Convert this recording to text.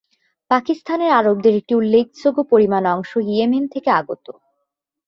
পাকিস্তানের আরবদের একটি উল্লেখযোগ্য পরিমাণ অংশ ইয়েমেন থেকে আগত।